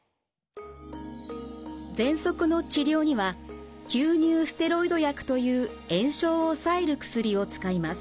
ぜんそくの治療には吸入ステロイド薬という炎症を抑える薬を使います。